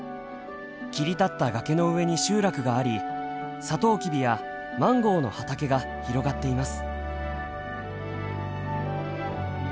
切り立った崖の上に集落がありサトウキビやマンゴーの畑が広がっています。